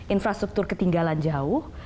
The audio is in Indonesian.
infrastruktur ketinggalan jauh